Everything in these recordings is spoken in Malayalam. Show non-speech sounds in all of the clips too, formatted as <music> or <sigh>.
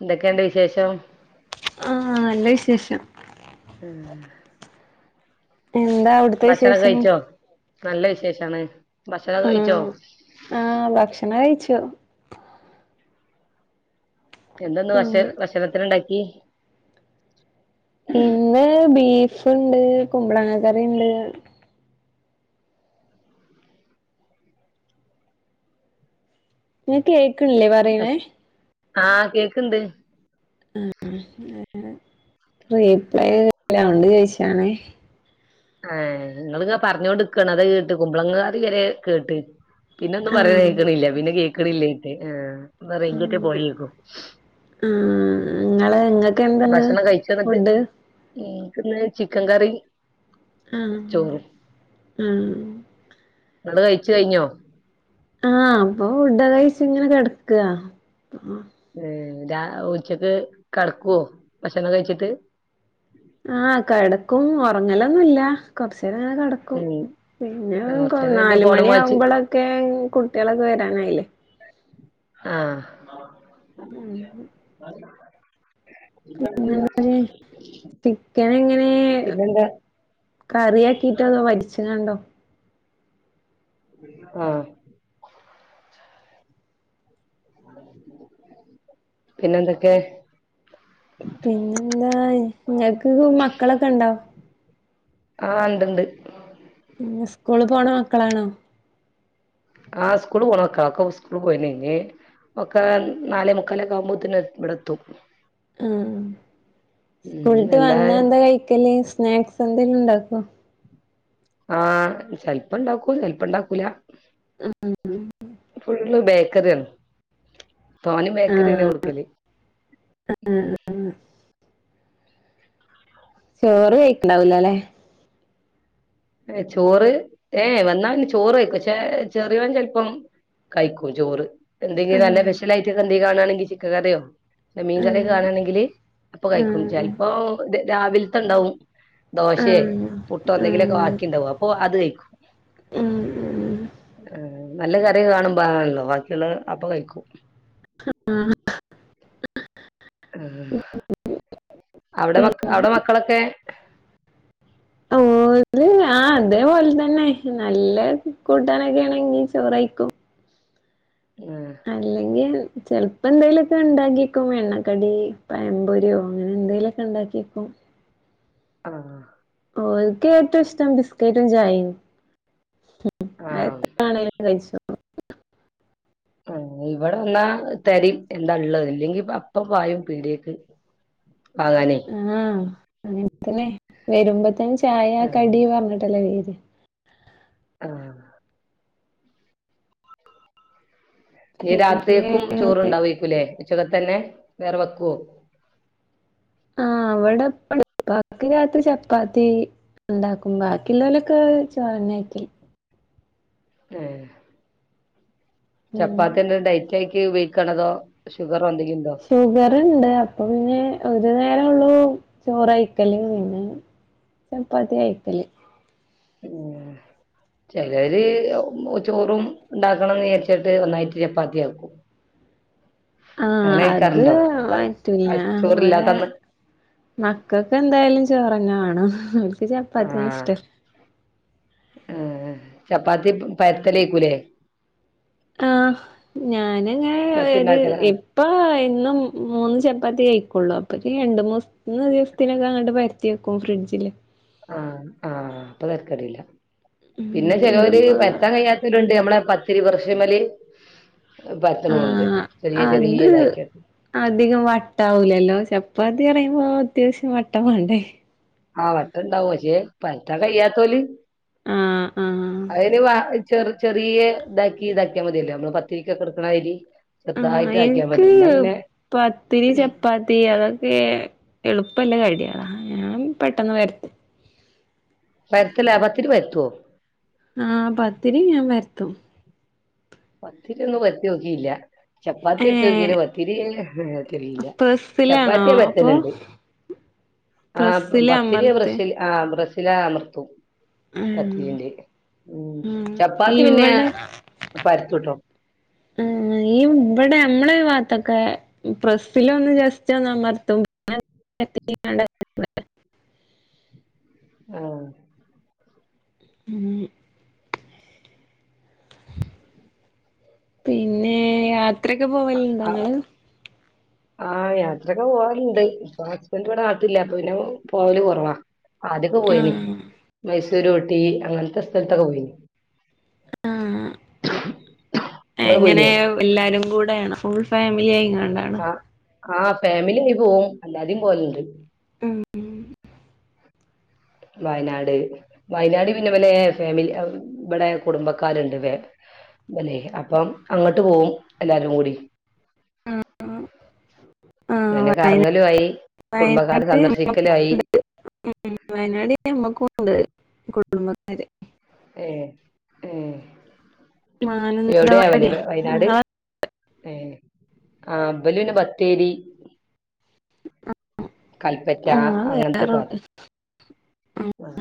എന്തൊക്കെണ്ട് വിശേഷം ആ ല്ല വിശേഷം ഉം എന്താ അവിടുത്തെ വിശേഷം നല്ല വിശേഷാണ് ഭക്ഷണം ആ കഴിച്ചോ ആ ഭക്ഷണഴിച്ചോ എന്തെന്ന് വഷ ഉം വഷണത്തിന്ണ്ടാക്കി ഇന്ന് ബീഫുണ്ട് കുമ്പളങ്ങ കറിണ്ട് നി കേക്കൺല്ലേ പറയണേ ആ കേക്ക്ണ്ട് ആ റീപ്ലെ കേക്കുന്നില്ല അതുകൊണ്ട് ചോയിച്ചാണേ ആ ങ്ങള് പറഞ്ഞോണ്ട്ക്കണത് കേട്ട് കുമ്പളങ്ങ കറി വരെ കേട്ട് പിന്നെ ഒന്നും പറയൻ ആഹ് കേക്കണില്ല പിന്നെ കേക്കണില്ലായിട്ട് വേറെ ഇങ്കൾക്ക് ആഹ് പോയേൽക്കും ആഹ് ഇങ്ങള് ഇങ്ങക്ക് എന്താണ് ഭക്ഷണം കഴിച്ചോന്നിട്ട് ഫുഡ് ഇന്ക്ക് ന്ന് ചിക്കകറി ആ ആ ങ്ങള് കഴിച്ച് കഴിഞ്ഞോ ആ അപ്പൊ ഫുടകെ കഴിച്ചിങ്ങനെ കെടക്കാ ഏഹ് ഉച്ചക്ക് കെടക്കുഓ ഭക്ഷണം കഴിച്ചിട്ട് ആ കെടക്കും ഒറങ്ങലൊന്നുല്ല കൊറച്ച് കൊറച്ചേരെങ്ങനെ കെടക്കും ഉം പിന്നെ കൊറച്ച് നേരം കഴിഞ്ഞ് ഫോണുമ്മ കളിച്ച് നാലുമണിയാവുമ്പോളോക്കെ കുട്ടിളൊക്കെ വരാനയിലെ വില്ലേ ആ പിന്നെന്താ ടെ പിന്നെന്താ കറിയാക്കിട്ടൊക്കെ വറ്റിച്ച് കാണ് ണ്ടോ ആ പിന്നെ എന്തൊക്കെ പിന്നെന്താ ഞക്ക് മക്കളൊക്കെണ്ടോ ആ ണ്ട്ണ്ട് പിന്നെ സ്കൂള് പോണ മക്കളാണോ ആ സ്കൂള് പോണതൊക്കെ ഒക്കെ സ്കൂള് പോയിനി ഞി ഒക്കെ നാലേമുക്കാലൊക്കെ ആവുമ്പോ തന്നെ ഇവിടെത്തും ആ സ്കൂളിട്ട് വന്നാ എന്താ കഴിക്കല് സ്നാക്സ് എന്തെങ്കിലുണ്ടാക്കോ ആ ചെലപ്പണ്ടാക്കും ചെലപ്പണ്ടാക്കൂല ഫുള്ള് ബേക്കറിയാണ് തോനെ ബേക്കറിന്ന ആഹ് കൊടുക്കല് ചോറ് കഴിക്കണ്ടാവൂലല്ലെ ഏ ചോറ് ഏ വന്നാ ചോറ് കഴിക്കോ ചെ ചെറിയവൻ ചെലപ്പം കഴിക്കും ചോറ് എന്തെങ്കിലും ആഹ് നല്ല സ്പെഷ്യലായിട്ട് എന്തേലും കാണാണെങ്കിൽ ചിക്കൻ കറിയോ മീൻ കറിയൊക്കെ ആഹ് കാണയാണെങ്കില് അപ്പൊ കഴിക്കും ആഹ് ചിലപ്പോ രാവിലത്തെണ്ടാവും ദോശേ ആഹ് പുട്ടോ എന്തെങ്കിലേവോക്കെ വാ ആഹ് ണ്ടാവും അപ്പൊ അത് കഴിക്കും നല്ല കറി കാണുംബോണല്ലോ ബാക്കിയുള്ള അപ്പൊ കഴിക്കും ആ അവിടെ മക്ക അവിടെ മക്കളൊക്കെ ഓര് <inaudible> ആ അതേപോലെത്തന്നെ നല്ല കൂട്ടാനൊക്കെ ആണെങ്കി ചോറയിക്കും ആഹ് അല്ലെങ്കി ചെലപ്പോ എന്തേലുമൊക്കെ ഉണ്ടാക്കിക്കും എണ്ണക്കടി പയംമ്പൊരിയോ അങ്ങനെ എന്തെലൊക്കെ ഉണ്ടാക്കിയേക്കും ആഹ് ഓ എനിക്ക് ഏറ്റവും ഇഷ്ടം ബിസ്കറ്റും ചായയും ആഹ് അതാണേൽ കയിച്ചും <inaudible> ആ ഇവിടെ വന്നാ തെരേം എന്താ ഉള്ളത് ഇല്ലെങ്കി അപ്പ പായും പീടേക്ക് <inaudible> ആ അങ്ങത്തന്നെ വരുമ്പോത്തേനും ചായ ആഹ് കടിയ പറഞ്ഞിട്ടല്ലേ വെരു <inaudible> ആ ഹാ നീ പിന്നെ രാത്രിയേക്കും ചോറണ്ടാവായിരിക്കൂലേ ഉച്ചക്കെ ത്തന്നെ വേറെ വെക്കുവോ ആഹ അവവിടെയിപ്പപ്പാക്ക്‌ രാത്രി ചപ്പാത്തി ഉണ്ടാക്കും ബാക്കിയുള്ളലൊക്കെ ചോറന്നേ ആക്കി ഉം ചപ്പാത്തിന്റെ ഡയറ്റാക്കി ഉപയോഗിക്കണതോ ഷുഗറിണ്ട് അപ്പൊ പിന്നെ ഒരു നേര അങ്ങനേള്ളൂ ചോറെയിക്കലില്ലല്ലേ പിന്നെ ചപ്പാത്തിയാ കയിക്കല് <inaudible> ചിലര് ചോറും ഉണ്ടാക്കണംന്ന് വിചാരിച്ചിട്ട് നന്നായിട്ട് ചപ്പാത്തിയാക്കും <inaudible> ആ അത് പറ്റൂല്ല ഇവടെ ചോറില്ലാത്തന്ന് മക്കൾക്ക് എന്തായാലും ചോറന്നേ വേണം നിക്ക് ചപ്പാത്തിന്നും ഇഷ്ടല്ല ആ ചപ്പാത്തി പരത്തലായിക്കൂലേ ആ ഞാനങ്ങനെ ഒരു പരത്തിണ്ടാക്കല ഇപ്പ എന്നും മൂന്ന് ചപ്പാത്തി കയിക്കുള്ളൂ അപ്പൊ രണ്ട് മൂന്ന് ദിവസത്തിനേക്കണ്ട് അങ്ങോട്ട് പരുത്തി വെക്കും ഫ്രിഡ്ജില് ആ ആ അപ്പൊ തരക്കേടില്ല ഉം പിന്നെ ചിലോര് എന്തുമ്പാ പരുത്താൻ കഴിയാത്തവരുണ്ട് നമ്മളെ പത്തിരി പ്രശ്ശെമ്മല് പരത്താണോണ്ട് ഉണ്ട് ആഹ് ചെറിയ അത് ചെറിയതാക്കിയിട്ട് അധികം വട്ട ആവൂലല്ലോ ചപ്പാത്തിന്ന് പറയുമ്പോ അത്യാവശ്യം വട്ട വേണ്ടേ ആ വട്ട ഇണ്ടാവും പക്ഷേ പറ്റാ കയ്യാത്തോലി ആഹ് ആഹ് അയിന് വാ ചെറ ചെറിയ ഇതാക്കി ഇതാക്കിയാമതിയല്ലോ നമ്മള് പത്തിരിക്കൊക്കെടുക്കണമാതിരി ആ എനിക്ക് പത്തിരി ചപ്പാത്തി അതൊക്കെ എളുപ്പല്ല കടികളാ ഞാൻ പെട്ടെന്ന് പരത്തും പരത്തലാ പത്തിരി പരത്തുവോ ആ പത്തിരി ഞാൻ പരത്തും പത്തിരിയൊന്നും പരത്തി നോക്കിയില്ല ചപ്പാത്തി ഒക്കെ ഏഹ് പരത്തലുണ്ട് പത്തിരി എനിക്കറിയില്ല പ്രസ്സിലാണോ ചപ്പാത്തി അപ്പൊ പരത്തലുണ്ട് ആ പ്രസ്സില് പത്തിരിയെ അമർത്ത് പ്രസ്സില് ആ പ്രസ്സില് അമർത്തും പത്തിരിന്റെ ചപ്പാത്തി പിന്നെ പരത്തൂട്ടോ ആ ഇവിടെ നമ്മളെയി വാത്ത് ഇതൊക്കെ പ്രസ്സിലൊന്നു ജസ്റ്റ് ഒന്നമർത്തും പിന്നെ <unintelligible> ആ ഉം പിന്നെ യാത്രൊക്കെ പോവലണ്ടോ നിങ്ങള് ആ യാത്രൊക്കെ പോവാൽണ്ട് ഇപ്പൊ ഹസ്ബൻന്റ് ഇവിടെ നാട്ടിലില്ലാത്തോണ്ട് പോവല് കുറവാ. അതൊയ്ക്കെ പോയിന് ആഹ് മൈസൂർ ഊട്ടി അങ്ങനത്തെ സ്ഥലത്തൊക്കെ പോയിനീ. ആ നിങ്ങള് എങ്ങനെ പോയിനിയോ എല്ലാരും കൂടെയണോ? Full family ആയിങ്ങണ്ടണോ? ആ ആ ഫാമിലി യ് പോവും അല്ലാതെയും പോവലുണ്ട്. ഉം വയനാട് വയനാട് പിന്നെ വലെ ഫാമിലി ഇവിടെ കുടുംബക്കാരുണ്ട് ഫാ ബല്ലെ അപ്പം അങ്ങോട്ട് പോകും എല്ലാരും കൂടി. ആ ആ ന്നപിന്നെക്കറങ്ങലും ആയി കുടുംബക്കാര് സന്ദർശിക്കലുയി. ഉം വയനാട് നമ്മക്കുണ്ട് കുടുബക്കാര്. ഏഹ് ഏഹ് എവിടെയാവോ മാനന്തവാടിയാ വയനാട് നിങ്ങളെ ഏഹ് ആ ബ് ല് പിന്നെ ബത്തേരി കൽപ്പറ്റ നിങ്ങള് വേറെ അങ്ങനത്തൊക്കെ ഭാത്താ റൂട്ട് ആ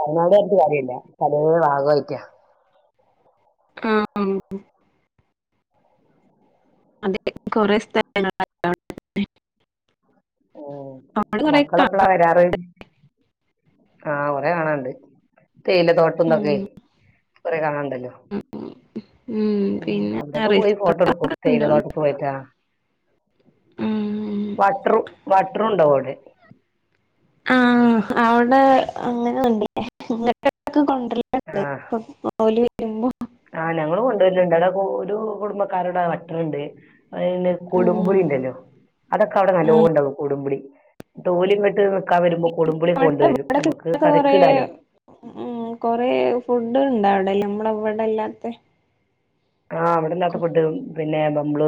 വയനാട് പറഞ്ഞിട്ട് കാര്യല്ല പലെ ഭാഗമായിട്ടാ. ആ അതെ കൊറെ സ്ഥലങ്ങളാ ആ മക്കളെപ്പളാ വരാറ്. ആഹ് കൊറെ കാണാണ്ട് തേയില ഉം തോട്ടംതൊക്കെ. കൊറെ കാണണ്ടല്ലോ? ഉം അവിടെയൊക്കെ പോയി ഫോട്ടോ എടുക്കും. തേയില റിസോർട്ടൊക്കെണ്ടോന്ന് തോട്ടത്ത് പോയിറ്റാ ആ ഉം വട്ടറും വട്ടറും ഉണ്ടാവും അവിടെ. ആ അവിടെ അങ്ങനെ ഉണ്ട്. കൊണ്ടല്ണ്ട് ആ <unintelligible> വരു മ്പോൾ ആ ഞങ്ങള് കൊണ്ടുവരലണ്ട് അവിടെ ഒരു കുടുംബക്കാരോടെ പട്ടനണ്ട്ന്നെ ആഹ് കൊടുമ്പുളി ല്ലോ അതൊക്കെ അവിടെ ആഹ് നല്ലോണ്ടാവും കൊടുമ്പിളി ഓല് ങ്ങട്ട് നിക്കാൻ വരുമ്പോ കൊടുമ്പളി അവിടെ കൊണ്ട വരും നമുക്ക് ഇവിടൊക്കെ കറക്ക് കൊറേ ഇടാലോ. ഉം കൊറെ ഫുഡുണ്ട അവിടെല്ല നമ്മള അവിടെല്ലാത്ത ആ അവിടെല്ലാത്തെ ഫുഡ് പിന്നെ നമ്മള്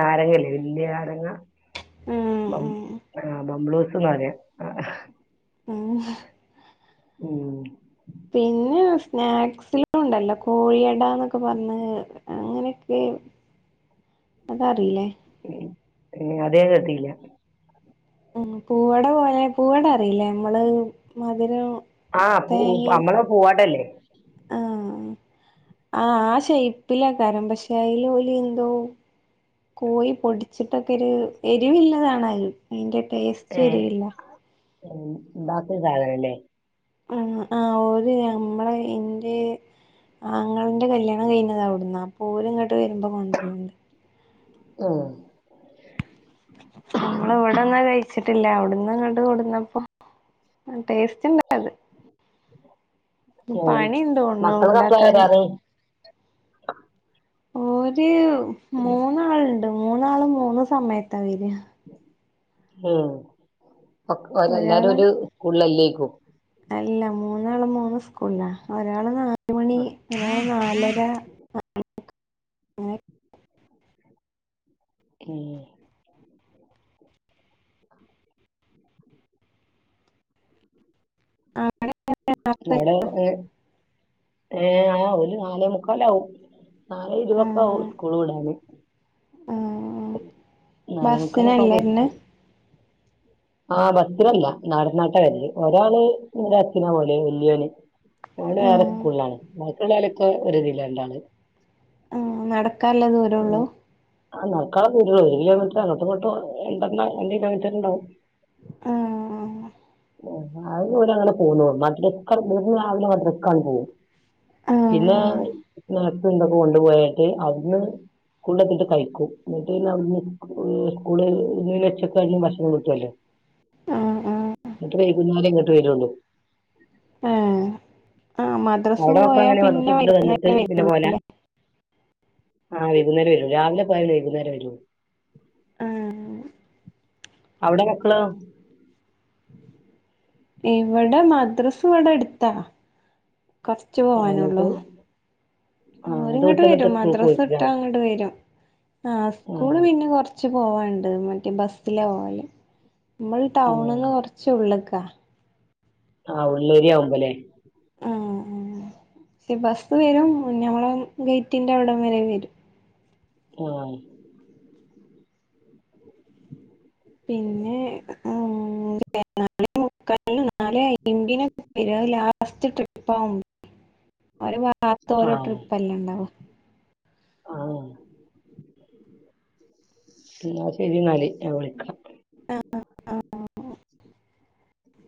നാരങ്ങല്ലേ വല്ല്യയ നാരങ്ങ. ആഹ് ആഹ് ബ്ലംആ ബംബ്ലൂസ്നാരങ്ങ ഹ്മ്മ്ഹ ഹ്മ്മ്. പിന്നെ സ്നാക്സില ഉണ്ടല്ലോ കോഴിയടന്നൊക്കെ പറഞ്ഞ അങ്ങനെയൊക്കെ <inaudible> അതറീല്ലേ ഹ്മ്മ് പിന്നെ അത് ഞാൻ കേട്ടില്ലാ ഹ്മ്മ്, പൂവടെ പോലെ പൂവട അറില്ലേ നമ്മള് മധുരം ആഹ്, പൂ തേങ്ങയും നമ്മള പൂവടല്ലേ ആഹ് <inaudible> ആഹ് ആ ഷെയ്പ്പിലക്കാരം പക്ഷെ അയില് ഓല് എന്തോ കോഴി പൊടിച്ചിട്ടൊക്കൊര്, എരിവില്ലതാണത്. അയിന്റെ ടേസ്റ്റ് എരിവല്ല. ഹ്മ്മ്, ബാക്കി <unintelligible> ആഹ് ആഹ് ഓല് നമ്മളാ എന്റെ ആങ്ങൾന്റെ കല്യാണം കഴിഞ്ഞതവിടുന്നാ, അപ്പം ഓല് ഇങ്ങട്ട് വര്മ്പം കൊണ്ടരേണ്ട്. ആഹ് ഞങ്ങള് വിടെന്നാ കഴിച്ചേ ട്ടില്ല, അവിട്ന്ന്ങ്ങട്ട് കൊണ്ടന്നപ്പോ, ടേസ്റ്റ് ഇണ്ടത്. ഹ്മ്മ്,, തോന്ന്ണു മക്കൾ ഇപ്പളാ ഇണ്ടാക്കാന് വരാറ് <inaudible> ഒര് മൂന്നാള്ണ്ട് മൂന്നാളും മൂന്ന് സമയത്താ വരാ ഹ്മ്മ്, ടക്ക് ഓര് എല്ലാരും ഒരാള് ഒര് സ്കൂളിലല്ലേക്കും <inaudible> അല്ല, മൂന്നാളും മൂന്ന് സ്കൂളിലാ ഒരാള് കാ മൂന്ന് മണി, ഉം നാല്, നാലര, നാലെമുക്കാല് ഒക്കെ. <unintelligible> <unintelligible> ഏഹ് ഏഴാ ആഹ് ഓല് നാലെ മുക്കാലാവും നാലേ ഇരുവൊക്കെ ആവും ആഹ് സ്കൂള് വിടാന് ആഹ് <inaudible> നാലെ മുക്കാലൊക്കെ ബസ്സിനല്ലേ ആവുമ്പോ വരണെ എത്തും. ആഹ്, ബസ്സിലല്ല നടന്നാട്ടാ വരല് ഒരാള് ബസ്സിനാ പോവല് വല്യോന് ഓന് വേറെ ആഹ് സ്കൂളാണ്. ബാക്കിലൊല്ലൊക്കെ ഒരുതിലാ രണ്ടാള് ആഹ് നടക്കല്ല ദൂരൊള്ളു ആഹ്, നടക്കാല ദൂരൊള്ളൂ, ഒര് കിലോമീറ്റർ അങ്ങട്ടിങ്ങട്ടും ഉണ്ടെന്ന രണ്ടിലോമീറ്റർ ഇണ്ടാവും ആഹ് <inaudible> ആഹ് അതല്ലേ ഓലങ്ങനെ പോവുന്നെ നാട്ടിലൊക്കെ <unintelligible> അങ്ങട്ട് പോവും പിന്നെ ആഹ് സ്നാക്സ് എന്തൊക്കൊ കൊണ്ട് പോയാട്ട് അവ്ട്ന്ന് സ്കൂളിലെത്തിട്ട് കഴിക്കും. ഇങ്ങട്ട് പിന്നെ അവ്ട്ന്ന് സ്കൂ സ്കൂളിതിന് വെച്ചിട്ടവിടുന്ന് ഭക്ഷണം കിട്ടല്ലോ ആഹ് ആഹ് <inaudible> ഇങ്ങട്ട് വൈകുന്നാരെ ഇങ്ങട്ട് വരൊള്ളൂ. ആഹ് ആഹ് മദ്രസ് അവിടെ പോയാ അപ്പൻങ്ങനെ പിന്നെ തിന്ന് വന്നിട്ട് വൈകുന്നേരം വരും പിന്നെ പോവാലാ <inaudible> ആഹ് വൈകുന്നേരം വരും, രാവിലെ പോയ പിന്നെ വൈകുന്നേരെ വരൂ. ആഹ് അവിടെ മക്കളോ ഇവിടെ മദ്രസ് ഇവടെ അട്ത്താ, കൊറച്ച് ആ, പോവാനൊള്ളൂ എന്നിട്ട് ആ ഓര് അത് ഇങ്ങട്ട് വിട്ട് എന്നിട്ട് വരും സ്കൂളിൽ പോയി ആ മദ്രാസ്സ്ട്ടാ ഇങ്ങട്ട് വരും. ആഹ് സ്കൂള് പിന്നിം കൊർച്ച് പോവാണ്ട്. മറ്റേ ബസ്സിലാ പോവാലെ, നമ്മള് ടൗണ്ന്ന് ഉം. കൊർച്ച് ഉള്ള്ക്കാ <inaudible> ആഹ് ഉള്ളേരി ആവുമ്പല്ലേ ആഹ്, ബസ് വരും ഞമ്മളെ ഗേയിറ്റിന്റെ അവിടം വരെ വരും. ആഹ് പിന്നെ ആഹ് <unintelligible> നാളെ <unintelligible> ലാസ്റ്റ് ട്രിപ്പാവും. <unintelligible> ഓരോ ട്രിപ്പല്ലെണ്ടാവാ ആഹ് <inaudible> എന്നാ ശെരിന്നാല്. ഞാൻ വിളിക്കാ <unintelligible>